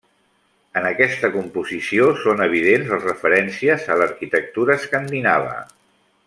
En aquesta composició són evidents les referències a l'arquitectura escandinava.